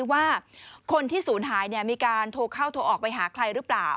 ว่าคนที่ศูนย์หายมีการโทรเข้าโทรออกไปหาใครหรือเปล่า